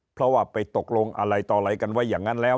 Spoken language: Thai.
เพราะว่าไปตกลงอะไรต่ออะไรกันไว้อย่างนั้นแล้ว